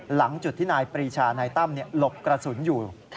หลังจุดที่นายปรีชานายตั้มหลบกระสุนอยู่